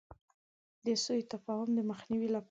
د سو تفاهم د مخنیوي لپاره.